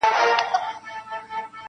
• پابندۍ دي لګېدلي د ګودر پر دیدنونو -